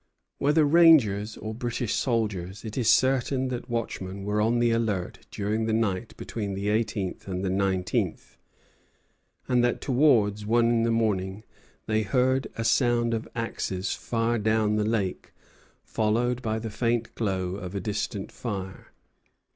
Whether rangers or British soldiers, it is certain that watchmen were on the alert during the night between the eighteenth and nineteenth, and that towards one in the morning they heard a sound of axes far down the lake, followed by the faint glow of a distant fire.